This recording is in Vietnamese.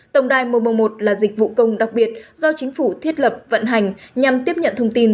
tổng đài một trăm một mươi một là dịch vụ công đặc biệt do chính phủ thiết lập vận hành nhằm tiếp nhận thông tin